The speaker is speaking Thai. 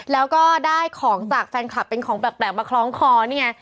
แล้วก็ได้ของจากแฟนคลับเป็นของแปลกมาคล้องคอนี่ไง